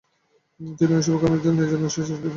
তিনি ওইসব কর্মীদের শারীরিক নির্যাতনের সাজা দিতেন।